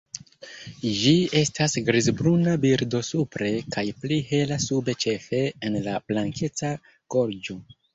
Ĝi estas grizbruna birdo supre kaj pli hela sube ĉefe en la blankeca gorĝo.